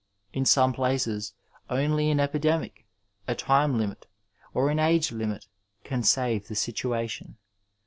In some places, only an epidemic, a time limit, or an age limit can save the situation.